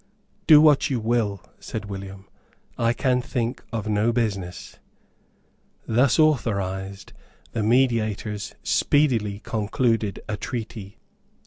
"Do what you will," said William; "I can think of no business." Thus authorised, the mediators speedily concluded a treaty.